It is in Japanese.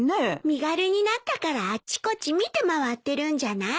身軽になったからあっちこっち見て回ってるんじゃない？